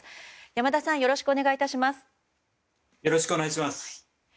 山田さんよろしくお願いします。